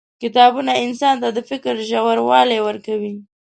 • کتابونه انسان ته د فکر ژوروالی ورکوي.